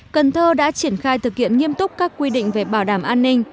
cần thơ đã triển khai thực hiện nghiêm túc các quy định về bảo đảm an ninh